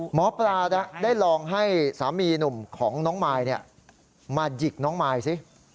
หมอปลาได้ลองให้สามีหนุ่มของน้องมายมาหยิกน้องมายสิ